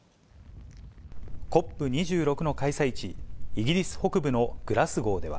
ＣＯＰ２６の開催地、イギリス北部のグラスゴーでは。